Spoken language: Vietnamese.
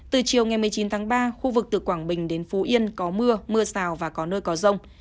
từ chiều ngày một mươi chín tháng ba khu vực từ quảng bình đến phú yên có mưa mưa rào và có nơi có rông